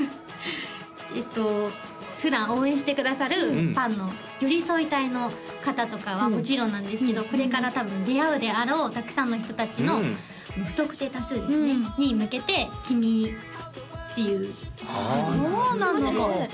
えっと普段応援してくださるファンのよりそい隊の方とかはもちろんなんですけどこれから多分出会うであろうたくさんの人達の不特定多数ですねに向けて「きみに」っていうああそうなのかすいません